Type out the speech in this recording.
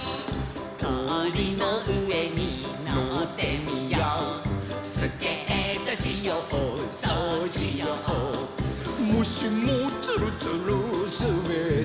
「こおりのうえにのってみよう」「スケートしようそうしよう」「もしもツルツルすべったら」